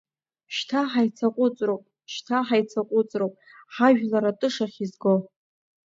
Шьҭа ҳаицаҟәыҵроуп, шьҭа ҳаицаҟәыҵроуп, ҳажәлар атышахь изго!